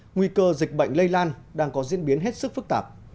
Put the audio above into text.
nguy cơ dịch bệnh lây lan đang có diễn biến hết sức phức tạp